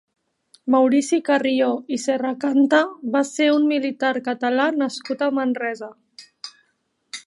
Maurici Carrió i Serracanta va ser un militar Català nascut a Manresa.